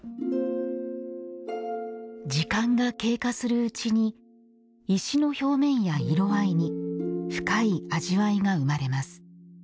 時間が経過するうちに石の表面や色合いに深い味わいが生まれます。